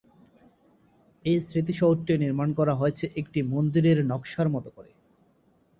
এই স্মৃতিসৌধটি নির্মান করা হয়েছে একটি মন্দিরের নকশার মতো করে।